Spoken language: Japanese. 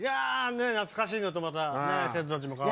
懐かしいのと、また生徒たちもかわいい。